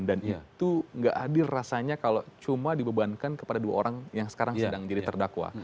dan itu tidak adil rasanya kalau cuma dibebankan kepada dua orang yang sekarang sedang jadi terdakwa